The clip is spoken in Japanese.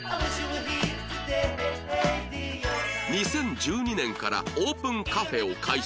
２０１２年からオープンカフェを開設